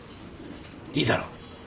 いいだろう？